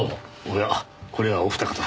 おやこれはお二方。